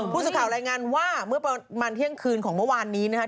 ผู้สื่อข่าวรายงานว่าเมื่อประมาณเที่ยงคืนของเมื่อวานนี้นะครับ